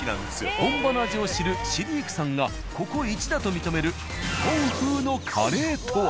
本場の味を知るシディークさんがここイチだと認める日本風のカレーとは。